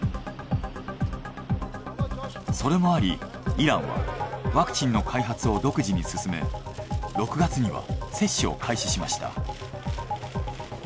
それもありイランはワクチンの開発を独自に進め６月には接種を開始しました。